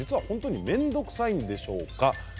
本当に面倒くさいんでしょうか